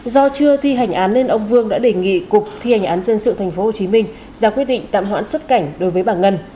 do chưa thi hành án nên ông vương đã đề nghị cục thi hành án dân sự tp hcm ra quyết định tạm hoãn xuất cảnh đối với bà ngân